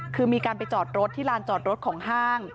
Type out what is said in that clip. คือมีการไปจอดรถที่ลานจอดรถของห้าง